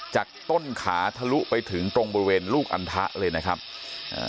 จากต้นขาทะลุไปถึงตรงบริเวณลูกอันทะเลยนะครับอ่า